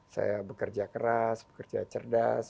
saya bekerja keras bekerja cerdas